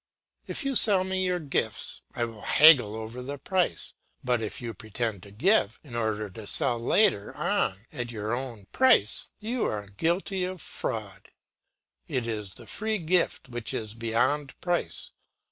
If you sell me your gifts, I will haggle over the price; but if you pretend to give, in order to sell later on at your own price, you are guilty of fraud; it is the free gift which is beyond price.